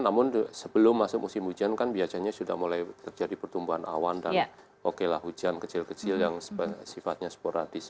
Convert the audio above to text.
namun sebelum masuk musim hujan kan biasanya sudah mulai terjadi pertumbuhan awan dan oke lah hujan kecil kecil yang sifatnya sporadis